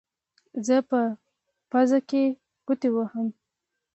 زه په پوزو کې ګوتې وهم.